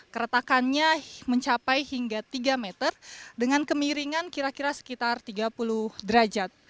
keretakannya mencapai hingga tiga meter dengan kemiringan kira kira sekitar tiga puluh derajat